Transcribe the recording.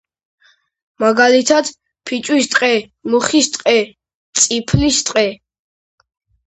მაგალითად: ფიჭვის ტყე, მუხის ტყე, წიფლის ტყე.